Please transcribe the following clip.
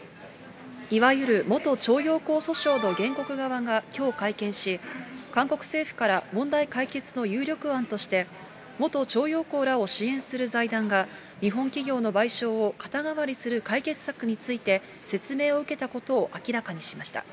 いわゆる元徴用工訴訟の原告側がきょう会見し、韓国政府から問題解決の有力案として、元徴用工らを支援する財団が、日本企業の賠償を肩代わりする解決策について説明を受けたことを明らかにしました。